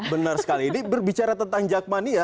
benar sekali ini berbicara tentang jakmania